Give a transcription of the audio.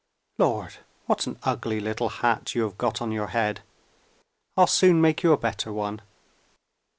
Lord! what an ugly little hat you have got on your head! I'll soon make you a better one."